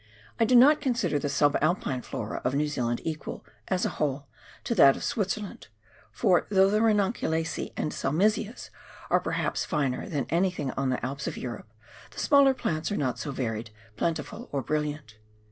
I do not consider the sub Alpine flora of New Zealand equal, as a whole, to that of Switzerland, for though the Hanunculacece and Celmisias are perhaps finer than anything on the Alps of Europe, the smaller plants are not so varied, plentiful or brilliant.